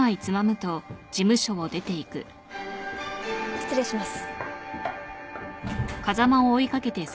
失礼します。